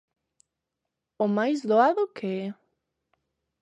¿O máis doado que é?